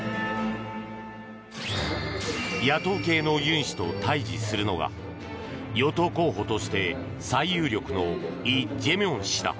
野党系のユン氏と対峙するのが与党候補として最有力のイ・ジェミョン氏だ。